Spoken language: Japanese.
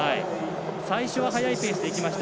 最初は速いペースでいきました。